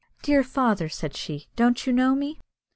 "Dear father," said she, "don't you know me?"